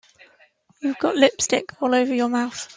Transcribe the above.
You've got lipstick all over your mouth.